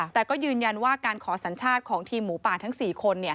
แต่ก็ยืนยันว่าการขอสัญชาติของทีมหมูป่าทั้ง๔คน